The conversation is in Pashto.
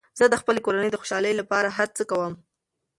زه د خپلې کورنۍ د خوشحالۍ لپاره هر څه کوم.